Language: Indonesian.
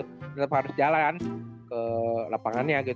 harus jalan ke lapangannya gitu